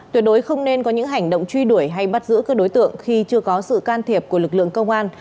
tuyệt đối không nên có những hành động truy đuổi hay bắt giữ các đối tượng khi chưa có sự can thiệp của lực lượng công an